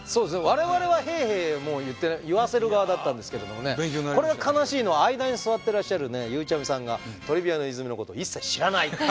我々は「へぇへぇ」言わせる側だったんですけれどもねこれは悲しいのは間に座ってらっしゃるゆうちゃみさんが「トリビアの泉」のこと一切知らない！